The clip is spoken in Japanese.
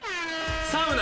サウナ。